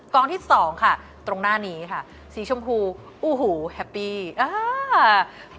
กล้องที่สองค่ะตรงหน้านี้ค่ะสีชมพูอู้หูแฮปปี้อ้า